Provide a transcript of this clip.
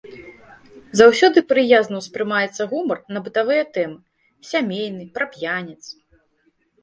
Заўсёды прыязна ўспрымаецца гумар на бытавыя тэмы, сямейны, пра п'яніц.